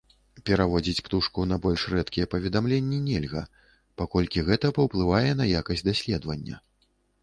Пераводзіць птушку на больш рэдкія паведамленні нельга, паколькі гэта паўплывае на якасць даследавання.